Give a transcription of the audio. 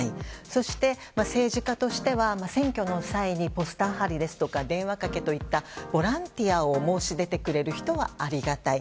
そして政治家としては選挙の際に、ポスター貼りや電話かけといったボランティアを申し出てくれる人はありがたい。